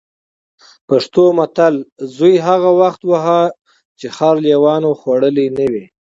پښتو متل: زوی هغه وخت وهه چې خر لېوانو خوړلی نه وي.